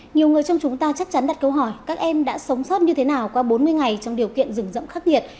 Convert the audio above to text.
nhiều người trong chúng ta chắc chắn đặt câu hỏi các em đã sống sót như thế nào qua bốn mươi ngày trong điều kiện rừng khắc nghiệt